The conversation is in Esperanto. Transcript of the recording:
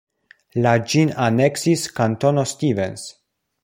La ĝin aneksis Kantono Stevens.